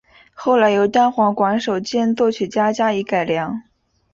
后来由单簧管手兼作曲家加以改良。